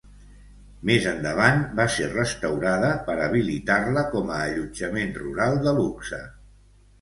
Més endavant, va ser restaurada per habilitar-la com a allotjament rural de luxe.